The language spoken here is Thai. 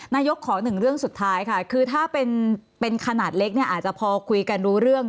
นายกขอหนึ่งเรื่องสุดท้ายค่ะคือถ้าเป็นขนาดเล็กเนี่ยอาจจะพอคุยกันรู้เรื่อง